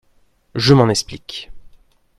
Je m’en explique.